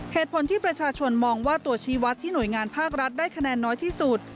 เหตุผลที่ประชาชนมองว่าตัวชีวัตรที่หน่วยงานภาครัฐได้คะแนนน้อยที่สุด